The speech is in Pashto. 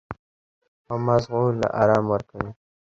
او مزغو له ارام ورکوي -